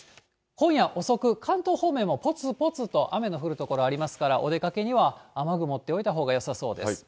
今夜遅く、関東方面もぽつぽつと雨の降る所ありますから、お出かけには雨具、持っておいたほうがよさそうです。